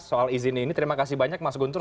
soal izin ini terima kasih banyak mas guntur